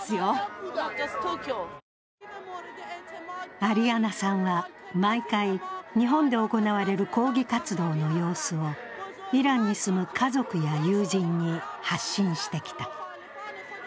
アリアナさんは毎回、日本で行われる抗議活動の様子をイランに住む家族や友人に発信してきた。